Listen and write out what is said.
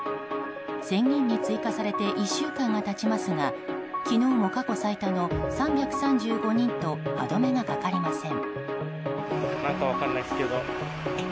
宣言に追加されて１週間が経ちますが昨日も過去最多の３３５人と歯止めがかかりません。